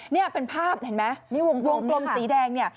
นี่เป็นภาพเห็นไหมวงกลมสีแดง